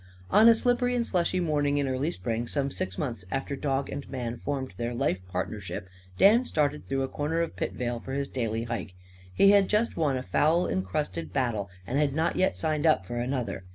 On a slippery and slushy morning in early spring, some six months after dog and man formed their lifepartnership, Dan started through a corner of Pitvale for his daily hike. He had just won a foul incrusted battle and had not yet signed up for another.